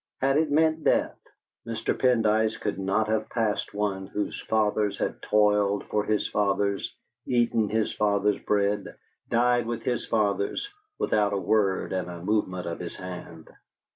Had it meant death, Mr. Pendyce could not have passed one whose fathers had toiled for his fathers, eaten his fathers' bread, died with his fathers, without a word and a movement of his hand.